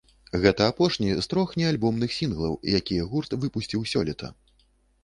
Гэта апошні з трох неальбомных сінглаў, якія гурт выпусціў сёлета.